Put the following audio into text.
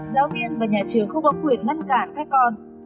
giáo viên và nhà trường không có quyền ngăn cản các con